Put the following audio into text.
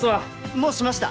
もうしました！